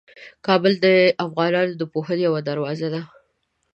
کابل د افغانانو د پوهنې یوه دروازه ده.